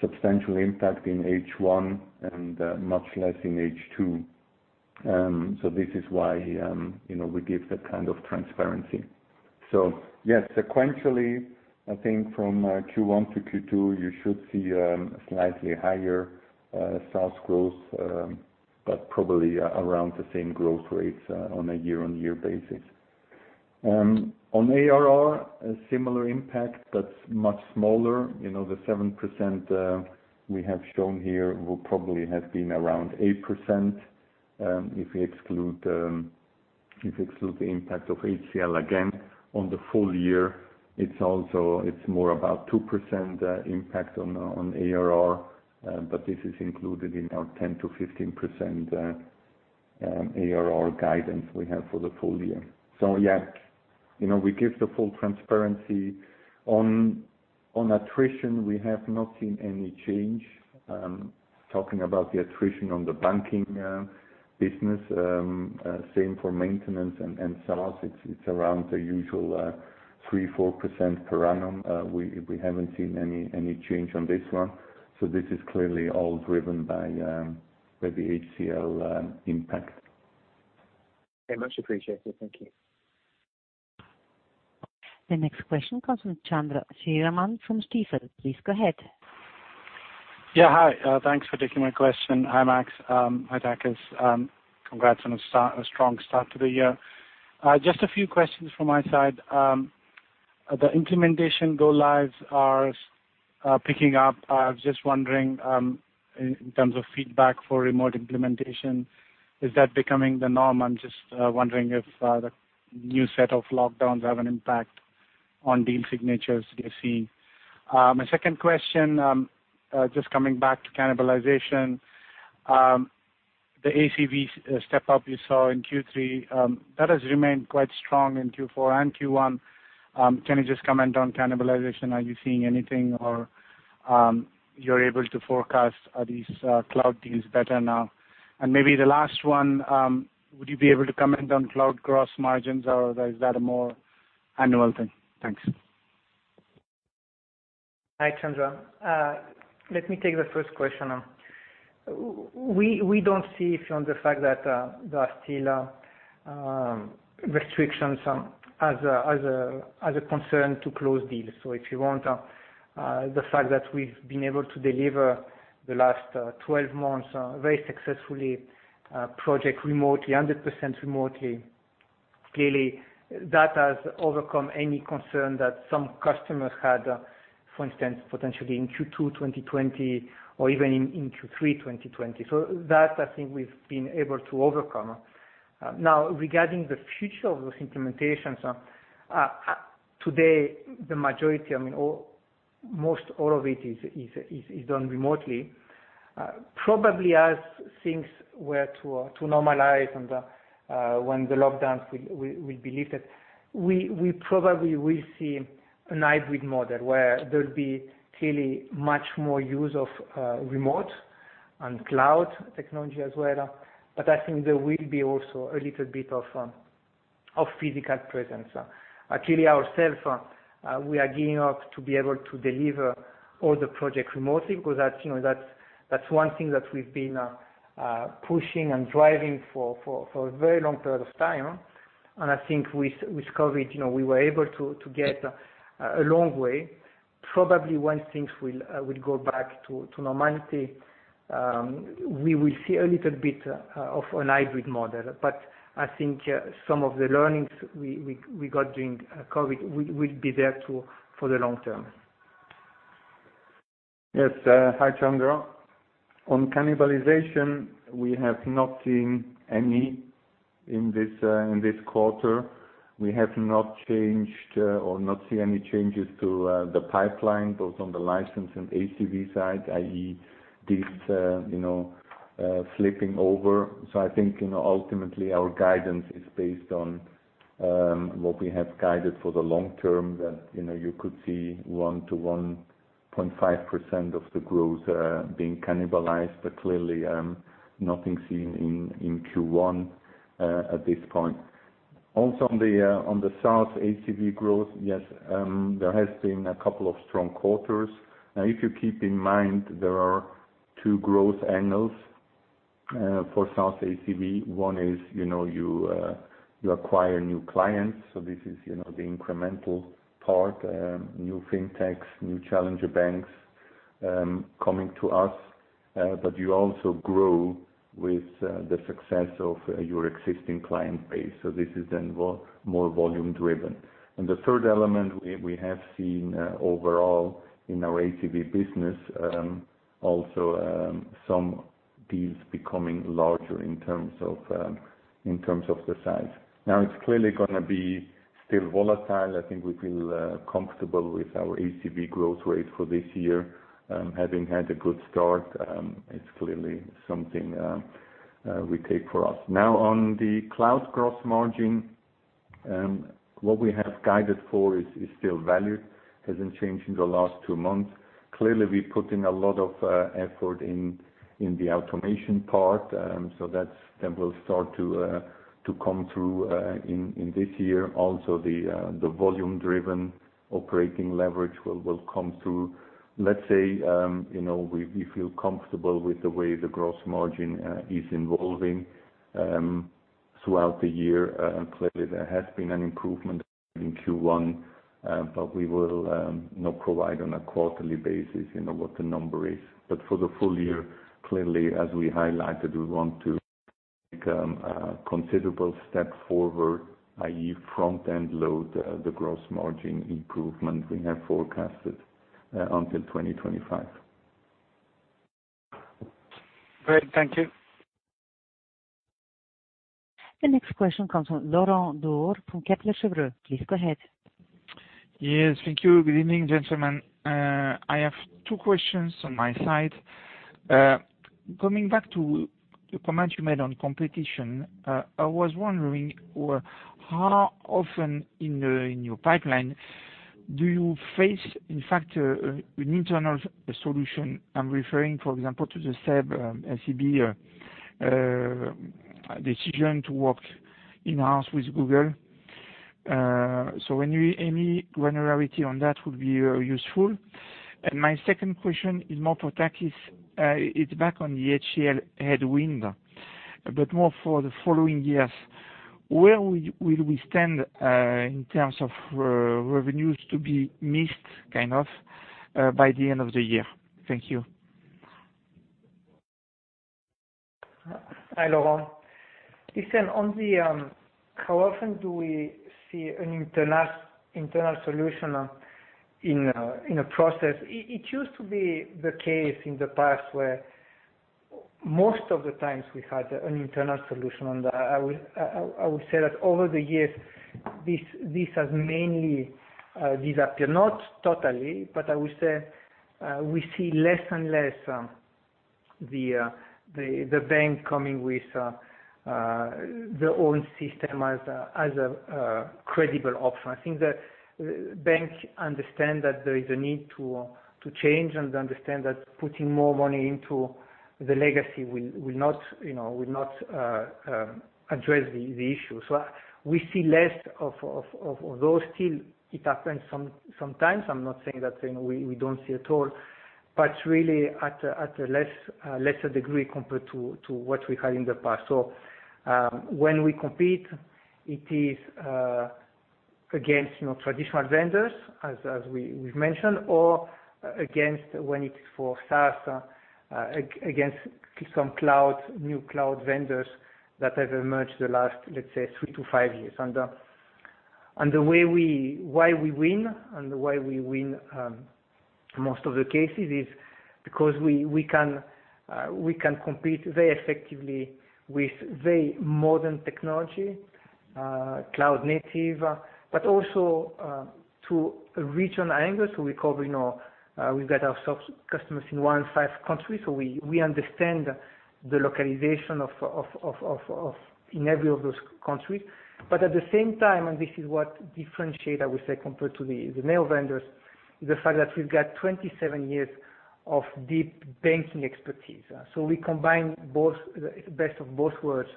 Substantial impact in H1 and much less in H2. This is why we give that kind of transparency. yes, sequentially, I think from Q1 to Q2 you should see a slightly higher SaaS growth, but probably around the same growth rates on a year-on-year basis. On ARR, a similar impact that's much smaller. The 7% we have shown here will probably have been around 8% if we exclude the impact of HCL again. On the full year, it's more about 2% impact on ARR, but this is included in our 10%-15% ARR guidance we have for the full year. yeah, we give the full transparency. On attrition, we have not seen any change. Talking about the attrition on the banking business. Same for maintenance and SaaS. It's around the usual 3%, 4% per annum. We haven't seen any change on this one. This is clearly all driven by the HCL impact. Much appreciated. Thank you. The next question comes from Chandra Sriraman from Stifel. Please go ahead. A few questions from my side. The implementation go lives are picking up. In terms of feedback for remote implementation, is that becoming the norm? If the new set of lockdowns have an impact on deal signatures you're seeing. My second question, coming back to cannibalization. The ACV step up you saw in Q3, that has remained quite strong in Q4 and Q1. Can you comment on cannibalization? Are you seeing anything or you're able to forecast these cloud deals better now? Maybe the last one, would you be able to comment on cloud gross margins or is that a more annual thing? Thanks. Hi, Chandra. Let me take the first question. We don't see if on the fact that there are still restrictions as a concern to close deals. If you want, the fact that we've been able to deliver the last 12 months very successfully, project remotely, 100% remotely. Clearly, that has overcome any concern that some customers had, for instance, potentially in Q2 2020 or even in Q3 2020. That I think we've been able to overcome. Now regarding the future of those implementations, today the majority, most all of it is done remotely. Probably as things were to normalize and when the lockdowns will be lifted, we probably will see an hybrid model where there'll be clearly much more use of remote and cloud technology as well. I think there will be also a little bit of physical presence. Actually ourselves, we are gearing up to be able to deliver all the projects remotely because that's one thing that we've been pushing and driving for a very long period of time. I think with COVID, we were able to get a long way. Probably once things will go back to normality, we will see a little bit of an hybrid model. I think some of the learnings we got during COVID will be there too for the long term. Yes. Hi, Chandra. On cannibalization, we have not seen any in this quarter. We have not changed or not seen any changes to the pipeline, both on the license and ACV side, i.e., deals flipping over. I think, ultimately our guidance is based on what we have guided for the long term, that you could see 1%-1.5% of the growth being cannibalized, but clearly, nothing seen in Q1 at this point. Also on the SaaS ACV growth, yes, there has been a couple of strong quarters. Now if you keep in mind, there are two growth angles for SaaS ACV. One is, you acquire new clients, so this is the incremental part, new fintechs, new challenger banks coming to us. You also grow with the success of your existing client base. This is then more volume-driven. The third element we have seen overall in our ACV business, also some deals becoming larger in terms of the size. It's clearly going to be still volatile. I think we feel comfortable with our ACV growth rate for this year. Having had a good start, it's clearly something we take for us. On the cloud gross margin, what we have guided for is still value, hasn't changed in the last two months. Clearly, we put in a lot of effort in the automation part. That will start to come through in this year. Also the volume-driven operating leverage will come through. Let's say, we feel comfortable with the way the gross margin is evolving throughout the year. Clearly, there has been an improvement in Q1. We will not provide on a quarterly basis what the number is. For the full year, clearly as we highlighted, we want to take a considerable step forward, i.e., front end load the gross margin improvement we have forecasted until 2025. Great. Thank you. The next question comes from Laurent Daure from Kepler Cheuvreux. Please go ahead. Yes. Thank you. Good evening, gentlemen. I have two questions on my side. Coming back to the comment you made on competition, I was wondering how often in your pipeline do you face in fact, an internal solution? I'm referring, for example, to the SEB, SCB decision to work in-house with Google. Any granularity on that would be useful. My second question is more for Takis. It's back on the HCL headwind. But more for the following years, where will we stand in terms of revenues to be missed, kind of, by the end of the year? Thank you. Hi, Laurent. Listen, on the how often do we see an internal solution in a process. It used to be the case in the past where most of the times we had an internal solution, and I would say that over the years, this has mainly disappeared. Not totally, I would say we see less and less the bank coming with their own system as a credible option. I think that banks understand that there is a need to change and understand that putting more money into the legacy will not address the issue. We see less of those. Still, it happens sometimes. I'm not saying that we don't see at all, Really at a lesser degree compared to what we had in the past. When we compete, it is against traditional vendors, as we've mentioned, or against when it's for SaaS, against some new cloud vendors that have emerged in the last, let's say, three to five years. Why we win, and why we win most of the cases is because we can compete very effectively with very modern technology, cloud-native. Also to a regional angle. We've got ourselves customers in 105 countries, so we understand the localization in every of those countries. At the same time, and this is what differentiate, I would say, compared to the main vendors, is the fact that we've got 27 years of deep banking expertise. We combine the best of both worlds,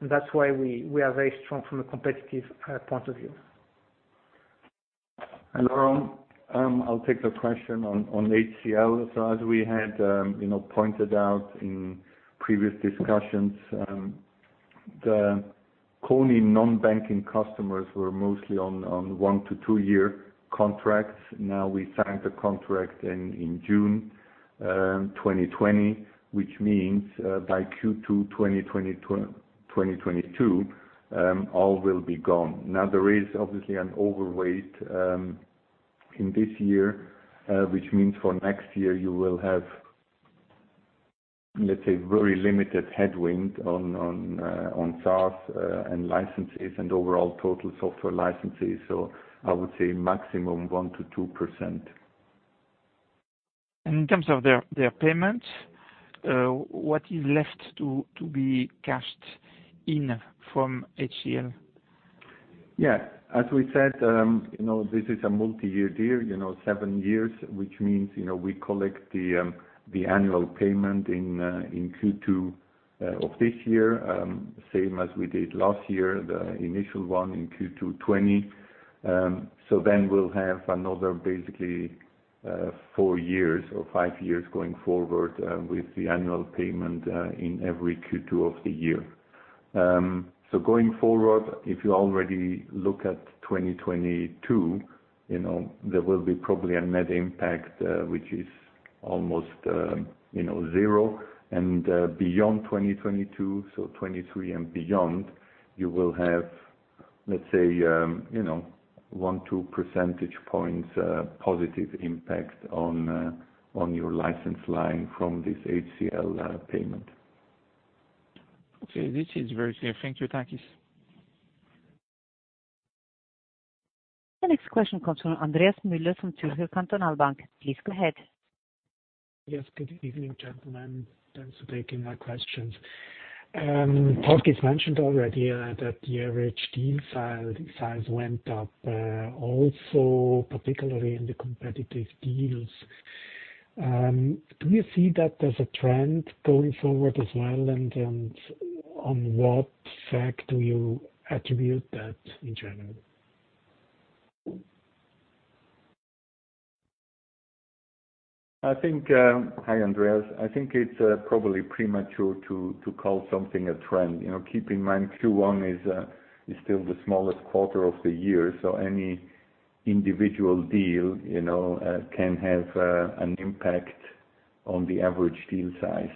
and that's why we are very strong from a competitive point of view. Hi, Laurent. I'll take the question on HCL. As we had pointed out in previous discussions, the Kony non-banking customers were mostly on one-to-two-year contracts. We signed the contract in June 2020, which means by Q2 2022, all will be gone. There is obviously an overweight in this year, which means for next year you will have, let's say, very limited headwind on SaaS and licenses and overall total software licenses. I would say maximum 1%-2%. In terms of their payments, what is left to be cashed in from HCL? Yeah. As we said, this is a multi-year deal, seven years, which means we collect the annual payment in Q2 of this year, same as we did last year, the initial one in Q2 2020. We'll have another basically four years or five years going forward with the annual payment in every Q2 of the year. Going forward, if you already look at 2022, there will be probably a net impact, which is almost zero. Beyond 2022, so 2023 and beyond, you will have, let's say one, 2 percentage points positive impact on your license line from this HCL payment. Okay. This is very clear. Thank you, Takis. The next question comes from Andreas Müller from Zürcher Kantonalbank. Please go ahead. Yes. Good evening, gentlemen. Thanks for taking my questions. Takis mentioned already that the average deal size went up, also particularly in the competitive deals. Do you see that as a trend going forward as well, and on what fact do you attribute that in general? Hi, Andreas. I think it's probably premature to call something a trend. Keep in mind, Q1 is still the smallest quarter of the year, so any individual deal can have an impact on the average deal size,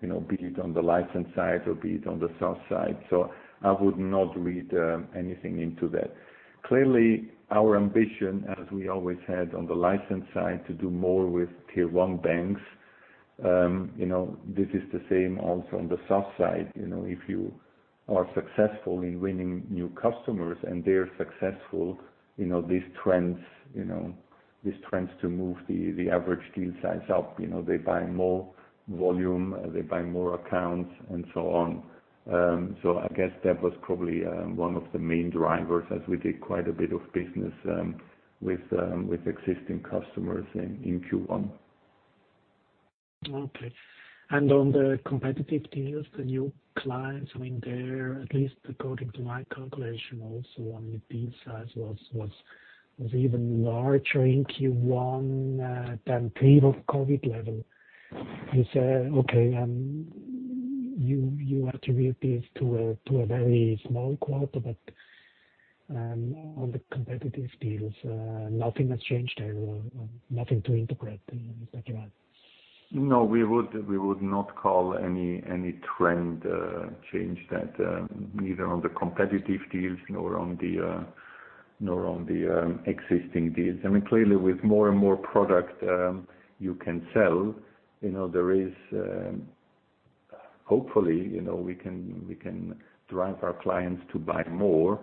be it on the license side or be it on the SaaS side. I would not read anything into that. Clearly, our ambition, as we always had on the license side, to do more with Tier 1 banks. This is the same also on the SaaS side. If you are successful in winning new customers and they're successful, these tend to move the average deal size up. They buy more volume, they buy more accounts and so on. I guess that was probably one of the main drivers as we did quite a bit of business with existing customers in Q1. Okay. On the competitive deals, the new clients, I mean, they're at least according to my calculation, also on the deal size was even larger in Q1 than pre-COVID level. Is that okay? You attribute this to a very small quarter, but on the competitive deals, nothing has changed there or nothing to interpret is that right? No, we would not call any trend change that neither on the competitive deals nor on the existing deals. Clearly, with more and more product you can sell, Hopefully, we can drive our clients to buy more.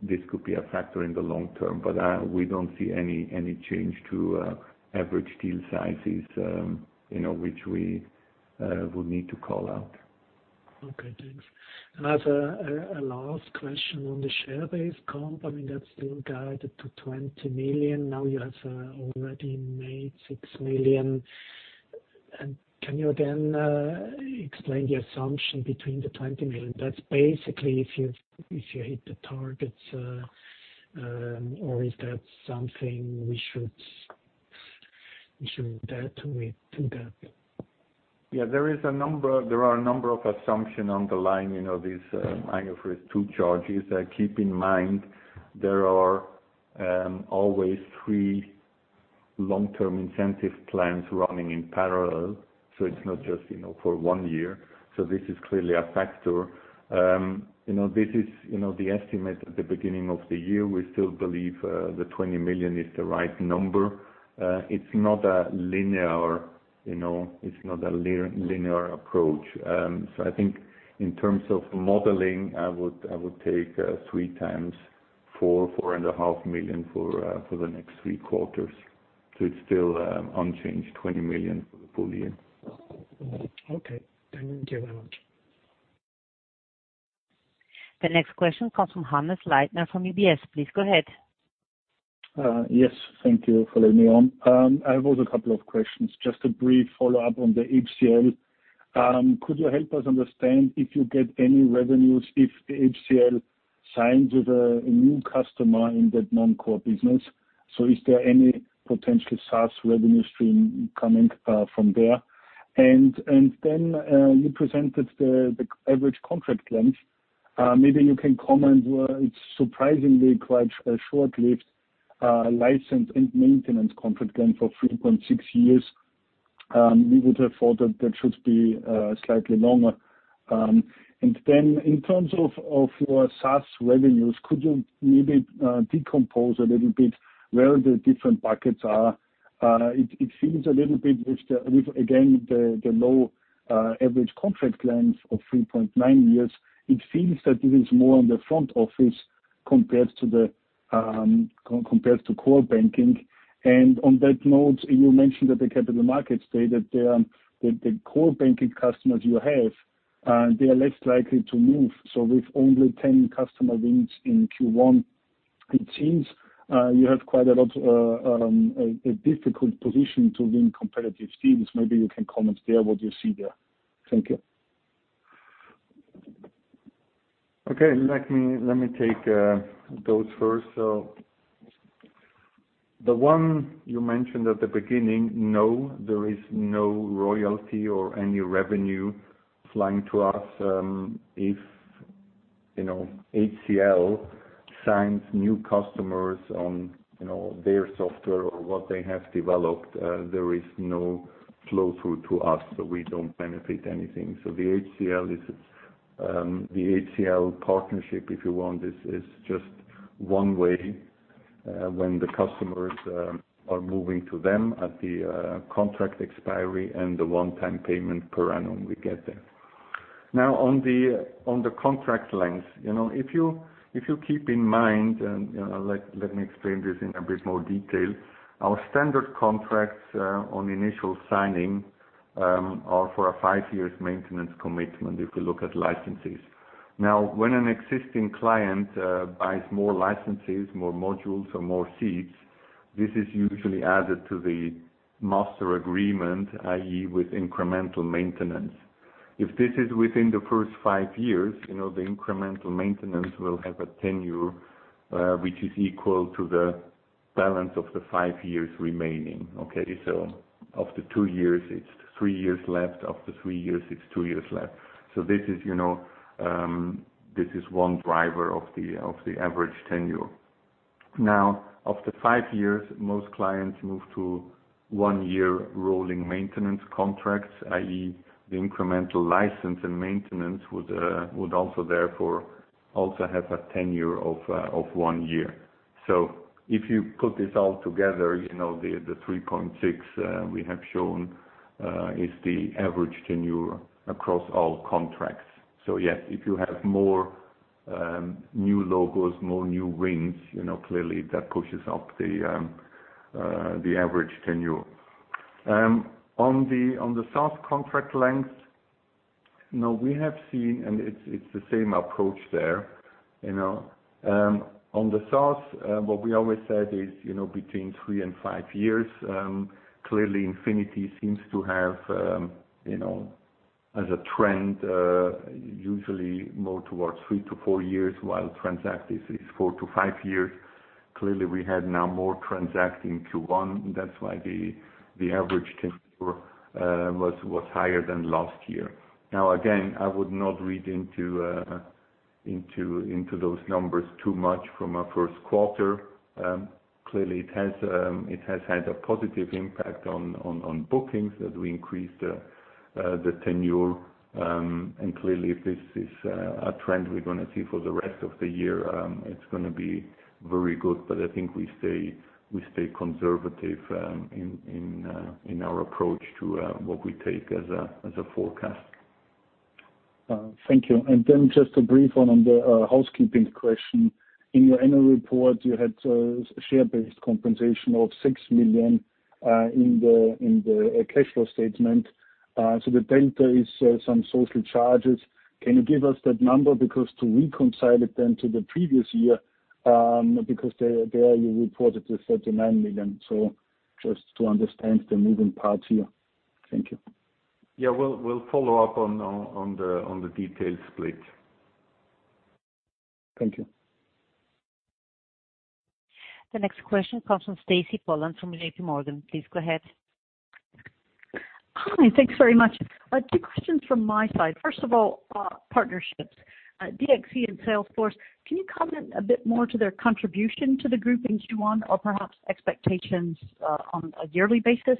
This could be a factor in the long term, but we don't see any change to average deal sizes which we would need to call out. Okay, thanks. As a last question on the share-based comp, that's still guided to $20 million. Now you have already made $6 million. Can you again explain the assumption between the $20 million? That's basically if you hit the targets or is that something we should adhere to that? There are a number of assumption underlying these IFRS 2 charges. Keep in mind, there are always three long-term incentive plans running in parallel. It's not just for one year. This is clearly a factor. This is the estimate at the beginning of the year. We still believe the $20 million is the right number. It's not a linear approach. I think in terms of modeling, I would take three times four and a half million for the next three quarters. It's still unchanged $20 million for the full year. Okay. Thank you very much. The next question comes from Hannes Leitner from UBS. Please go ahead. Yes. Thank you for letting me on. I have also a couple of questions. A brief follow-up on the HCL. Could you help us understand if you get any revenues if the HCL signs with a new customer in that non-core business? Is there any potential SaaS revenue stream coming from there? You presented the average contract length. Maybe you can comment where it is surprisingly quite short-lived license and maintenance contract length of 3.6 years. We would have thought that that should be slightly longer. In terms of your SaaS revenues, could you maybe decompose a little bit where the different buckets are? It seems a little bit with, again, the low average contract length of 3.9 years, it feels that it is more on the front office compared to core banking. On that note, you mentioned at the Capital Markets Day that the core banking customers you have they are less likely to move. With only 10 customer wins in Q1, it seems you have quite a difficult position to win competitive deals. Maybe you can comment there what you see there. Thank you. Okay. Let me take those first. The one you mentioned at the beginning, no, there is no royalty or any revenue flying to us if HCL signs new customers on their software or what they have developed there is no flow through to us, so we don't benefit anything. The HCL partnership, if you want, is just one way when the customers are moving to them at the contract expiry and the one-time payment per annum we get there. On the contract length. If you keep in mind, let me explain this in a bit more detail. Our standard contracts on initial signing are for a five-year maintenance commitment if we look at licenses. When an existing client buys more licenses, more modules or more seats, this is usually added to the master agreement, i.e., with incremental maintenance. If this is within the first five years, the incremental maintenance will have a tenure which is equal to the balance of the five years remaining. Okay, after two years, it's three years left. After three years, it's two years left. This is one driver of the average tenure. Now, after five years, most clients move to one year rolling maintenance contracts, i.e., the incremental license and maintenance would also therefore also have a tenure of one year. If you put this all together, the 3.6 we have shown is the average tenure across all contracts. Yes, if you have more new logos, more new wins, clearly that pushes up the average tenure. On the SaaS contract length, we have seen, it's the same approach there. On the SaaS, what we always said is, between three and five years clearly Infinity seems to have as a trend usually more towards three to four years, while Transact is four to five years. We have now more Transact in Q1. That's why the average tenure was higher than last year. Again, I would not read into those numbers too much from a first quarter. It has had a positive impact on bookings as we increase the tenure. Clearly, if this is a trend we're going to see for the rest of the year, it's going to be very good. I think we stay conservative in our approach to what we take as a forecast. Thank you. Just a brief one on the housekeeping question. In your annual report, you had share-based compensation of $6 million in the cash flow statement. The delta is some social charges. Can you give us that number? Because to reconcile it then to the previous year, because there you reported the $39 million. Just to understand the moving parts here. Thank you. Yeah. We'll follow up on the detailed split. Thank you. The next question comes from Stacy Pollard from JPMorgan. Please go ahead. Hi. Thanks very much. Two questions from my side. First of all, partnerships. DXC and Salesforce, can you comment a bit more to their contribution to the group in Q1 or perhaps expectations on a yearly basis?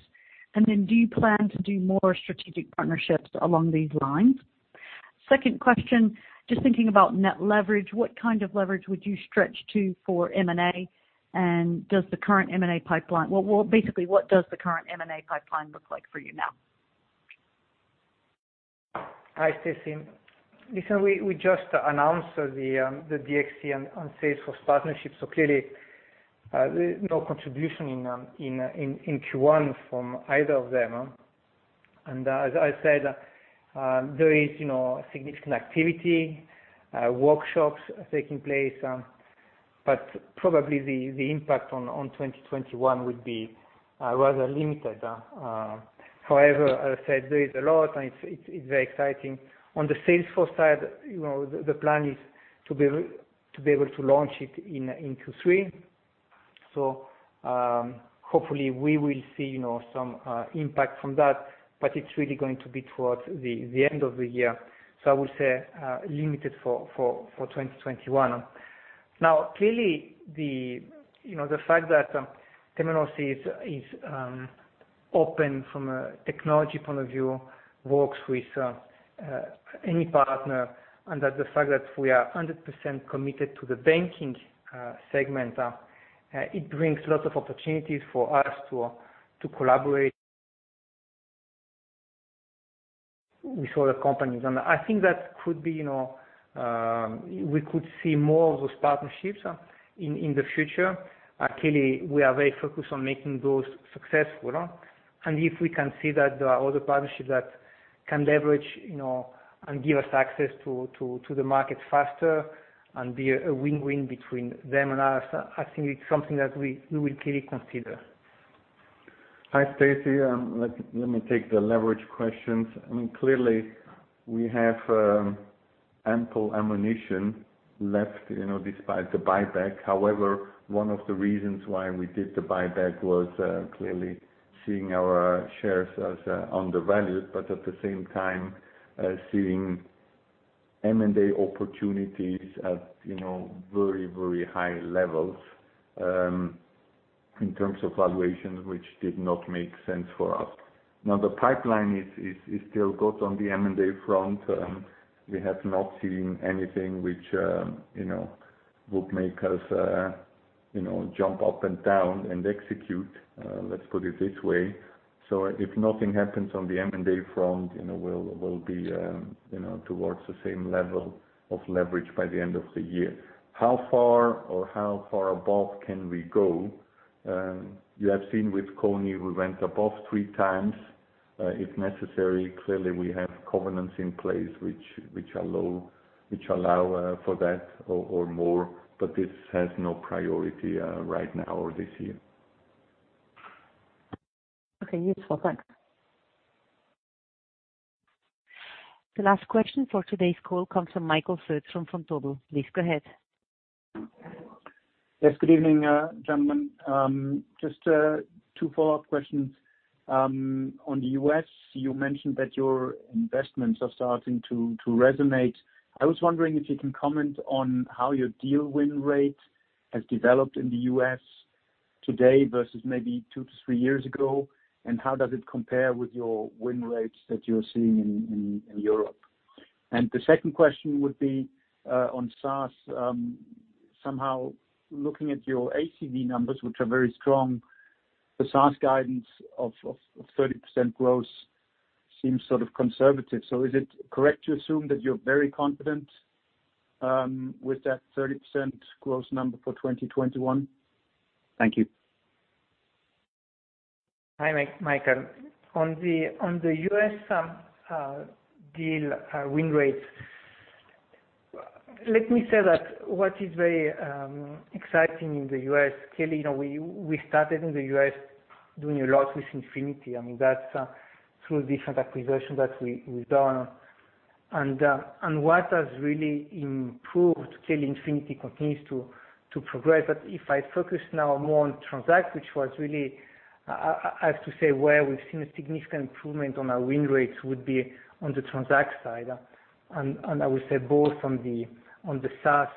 Do you plan to do more strategic partnerships along these lines? Second question, just thinking about net leverage, what kind of leverage would you stretch to for M&A? Well, basically, what does the current M&A pipeline look like for you now? Hi, Stacy. Listen, we just announced the DXC and Salesforce partnership, clearly, no contribution in Q1 from either of them. As I said, there is significant activity, workshops taking place. Probably the impact on 2021 would be rather limited. As I said, there is a lot, and it's very exciting. On the Salesforce side, the plan is to be able to launch it in Q3. Hopefully we will see some impact from that, but it's really going to be towards the end of the year. I would say limited for 2021. Clearly, the fact that Temenos is open from a technology point of view, works with any partner, and that the fact that we are 100% committed to the banking segment, it brings lots of opportunities for us to collaborate with other companies. I think that we could see more of those partnerships in the future. Clearly, we are very focused on making those successful. If we can see that there are other partnerships that can leverage, and give us access to the market faster and be a win-win between them and us, I think it's something that we will clearly consider. Hi, Stacy. Let me take the leverage questions. Clearly, we have ample ammunition left despite the buyback. However, one of the reasons why we did the buyback was clearly seeing our shares as undervalued, but at the same time seeing M&A opportunities at very high levels in terms of valuations, which did not make sense for us. The pipeline is still good on the M&A front. We have not seen anything which would make us jump up and down and execute, let's put it this way. If nothing happens on the M&A front, we'll be towards the same level of leverage by the end of the year. How far or how far above can we go? You have seen with Kony, we went above 3x. If necessary, clearly, we have covenants in place which allow for that or more, but this has no priority right now or this year. Okay, useful. Thanks. The last question for today's call comes from Michael Foeth from Vontobel. Please go ahead. Yes, good evening, gentlemen. Just two follow-up questions. On the U.S., you mentioned that your investments are starting to resonate. I was wondering if you can comment on how your deal win rate has developed in the U.S. today versus maybe two to three years ago, and how does it compare with your win rates that you're seeing in Europe? The second question would be on SaaS. Somehow looking at your ACV numbers, which are very strong, the SaaS guidance of 30% growth seems sort of conservative. Is it correct to assume that you're very confident with that 30% growth number for 2021? Thank you. Hi, Michael. On the U.S. deal win rate, let me say that what is very exciting in the U.S., clearly, we started in the U.S. doing a lot with Infinity. That's through different acquisitions that we've done. What has really improved, Scale Infinity continues to progress. If I focus now more on Transact, which was really, I have to say, where we've seen a significant improvement on our win rates would be on the Transact side. I would say both on the SaaS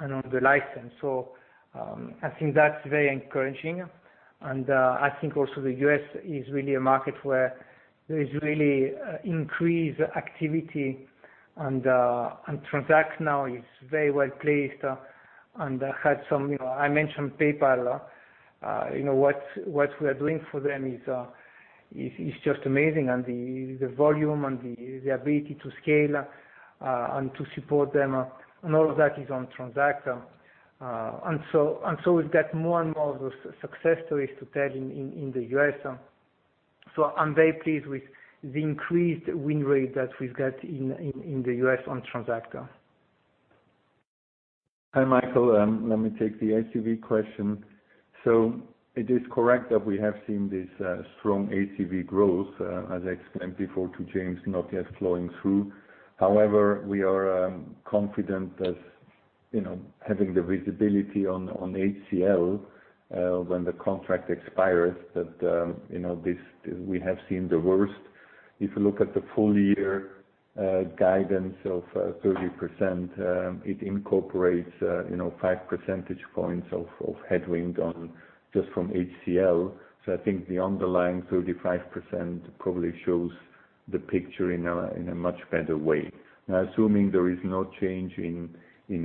and on the license. I think that's very encouraging. I think also the U.S. is really a market where there is really increased activity, and Transact now is very well-placed and I mentioned PayPal. What we are doing for them is just amazing. The volume and the ability to scale and to support them and all of that is on Transact. We've got more and more of those success stories to tell in the U.S. I'm very pleased with the increased win rate that we've got in the U.S. on Transact. Hi, Michael. Let me take the ACV question. It is correct that we have seen this strong ACV growth, as I explained before to James, not yet flowing through. However, we are confident that having the visibility on HCL when the contract expires, that we have seen the worst. If you look at the full year guidance of 30%, it incorporates 5 percentage points of headwind on just from HCL. I think the underlying 35% probably shows the picture in a much better way. Assuming there is no change in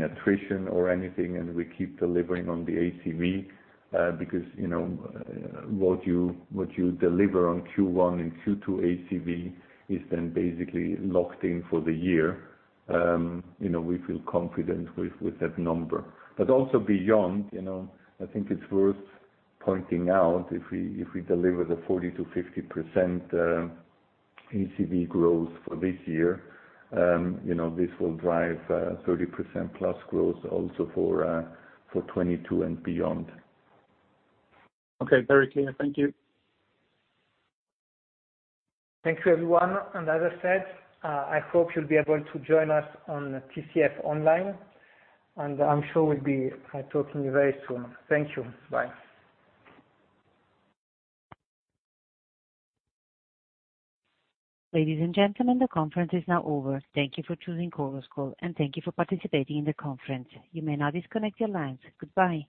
attrition or anything, and we keep delivering on the ACV because what you deliver on Q1 and Q2 ACV is then basically locked in for the year. We feel confident with that number. Also beyond, I think it's worth pointing out if we deliver the 40%-50% ACV growth for this year, this will drive 30%+ growth also for 2022 and beyond. Okay, very clear. Thank you. Thank you, everyone. As I said, I hope you'll be able to join us on TCF online. I'm sure we'll be talking very soon. Thank you. Bye. Ladies and gentlemen, the conference is now over. Thank you for choosing Chorus Call, and thank you for participating in the conference. You may now disconnect your lines. Goodbye.